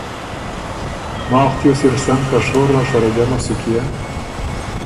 ماخ تیوس اِر سن که شور نر سره جمع سُک يېن